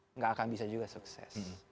nggak akan bisa juga sukses